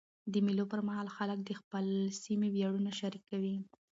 د مېلو پر مهال خلک د خپل سیمي ویاړونه شریکوي.